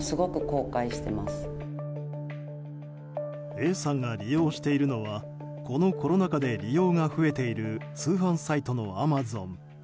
Ａさんが利用しているのはこのコロナ禍で利用が増えている通販サイトのアマゾン。